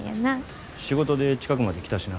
仕事で近くまで来たしな。